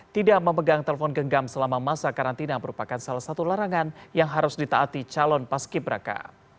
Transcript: tidak memegang telepon genggam selama masa karantina merupakan salah satu larangan yang harus ditaati calon pas ki braka